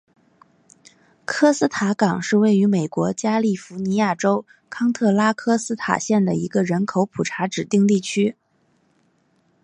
科斯塔港是位于美国加利福尼亚州康特拉科斯塔县的一个人口普查指定地区。